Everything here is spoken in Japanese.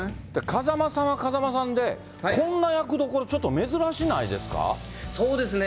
風間さんは風間さんで、こんな役どころ、ちょっと珍しないでそうですね。